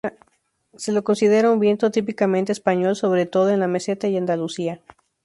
Se lo considera un viento típicamente español, sobre todo en la Meseta y Andalucía.